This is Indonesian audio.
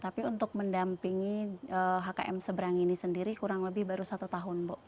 tapi untuk mendampingi hkm seberang ini sendiri kurang lebih baru satu tahun bu